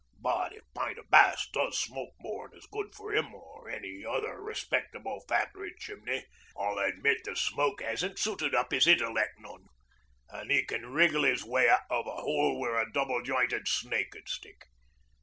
But if Pint o' Bass does smoke more'n is good for 'im or any other respectable factory chimney, I'll admit the smoke 'asn't sooted up 'is intelleck none, an' 'e can wriggle 'is way out of a hole where a double jointed snake 'ud stick.